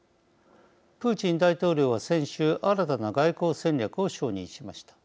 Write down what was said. プーチン大統領は先週新たな外交戦略を承認しました。